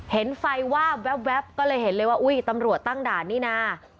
เห็นไฟวาบแว๊บก็เลยเห็นเลยว่าอุ้ยตำรวจตั้งด่านนี่นะ